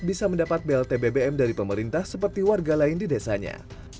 bisa mendapat blt bbm dari pemerintah seperti warga lain di desanya